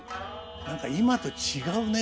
何か今と違うね。